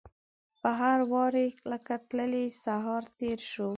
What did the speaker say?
په هر واري لکه تللی سهار تیر شو